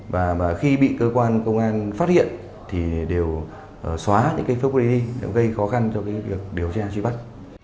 và khi bị cơ quan công an phát hiện thì đều xóa những phước gây khó khăn trong việc điều tra truy bắt